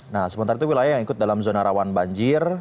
nah sementara itu wilayah yang ikut dalam zona rawan banjir